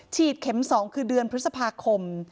เข็ม๒คือเดือนพฤษภาคม